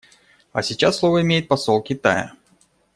А сейчас слово имеет посол Китая.